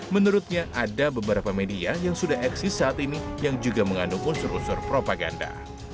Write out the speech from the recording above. menurutnya ada beberapa media yang sudah eksis saat ini yang juga mengandung unsur unsur propaganda